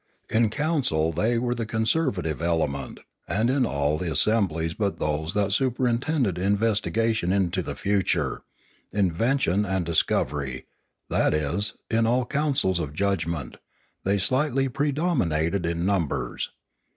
In counsel they were the conservative element, and in all the as semblies but those that superintended investigation into the future, invention, and discovery, that is, in all councils of judgment, they slightly predominated in numbers.